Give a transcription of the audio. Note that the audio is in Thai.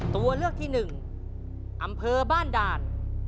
ตัวเลือกที่หนึ่งอำเภอบ้านด่าน